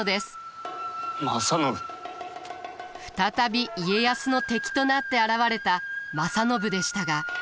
再び家康の敵となって現れた正信でしたが。